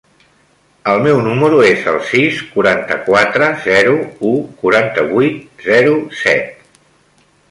El meu número es el sis, quaranta-quatre, zero, u, quaranta-vuit, zero, set.